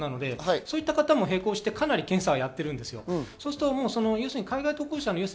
そういった方も並行してかなり検査はやっています。